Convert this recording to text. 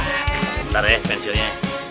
bentar ya pensilnya